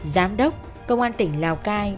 giám đốc công an tỉnh lào cai